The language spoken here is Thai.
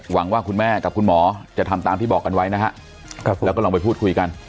หวังว่าคุณแม่กับคุณหมอจะทำตามที่บอกกันไว้นะฮะแล้วก็ลองไปพูดคุยกัน